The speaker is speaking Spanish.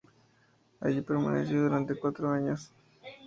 Allí permaneció durante cuatro años.